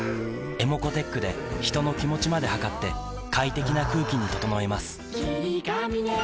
ｅｍｏｃｏーｔｅｃｈで人の気持ちまで測って快適な空気に整えます